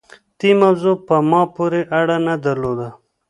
دې موضوع په ما پورې اړه نه درلوده.